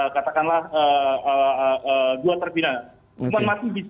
katakanlah dua terbidana